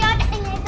aduh aduh aduh